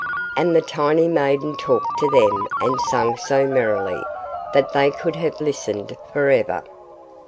And the tiny maiden talked to them, and sang so merrily, that they could have listened for ever.